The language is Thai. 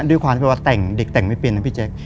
ด้วยความที่ว่าแต่งเด็กแต่งไม่เป็นนะพี่แจ๊ค